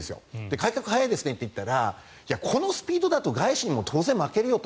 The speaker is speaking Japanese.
改革が早いですねって言ったらこのスピードだったら外資にも負けるよと。